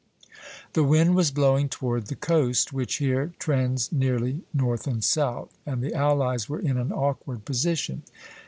The wind was blowing toward the coast, which here trends nearly north and south, and the allies were in an awkward position.